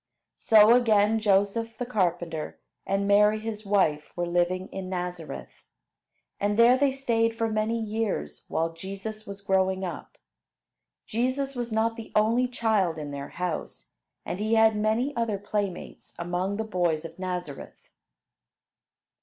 So again Joseph the carpenter and Mary his wife were living in Nazareth. And there they stayed for many years while Jesus was growing up. Jesus was not the only child in their house, and he had many other playmates among the boys of Nazareth.